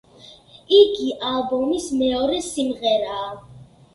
იგი ალბომის მეორე სიმღერაა.